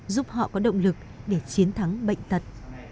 giúp họ có động lực để chiến thắng bệnh tật